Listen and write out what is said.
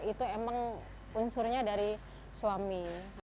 itu emang unsurnya dari suami